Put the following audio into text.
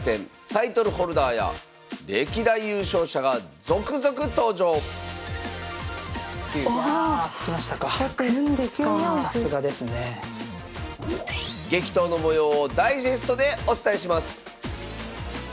タイトルホルダーや歴代優勝者が続々登場激闘の模様をダイジェストでお伝えします